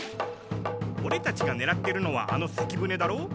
オレたちがねらってるのはあの関船だろ。